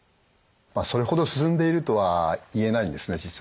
まあそれほど進んでいるとは言えないんですね